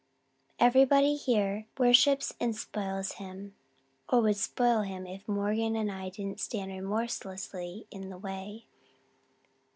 Everybody here worships and spoils him or would spoil him if Morgan and I didn't stand remorselessly in the way.